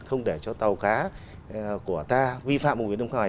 không để cho tàu cá của ta vi phạm vùng biển nước ngoài